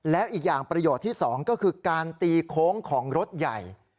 แล้วอีกอย่างประโยชน์ที่๒ก็คือการตีโค้งของรถใหญ่